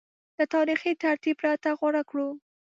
له تاریخي ترتیب پرته غوره کړو